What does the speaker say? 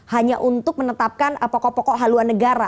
hanya untuk menetapkan pokok pokok haluan negara